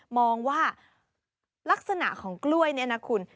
มองว่าลักษณะของกล้วยเนี่ยนะคุณ